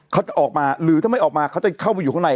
เขาจะออกมาหรือถ้าไม่ออกมาเขาจะเข้าไปอยู่ข้างใน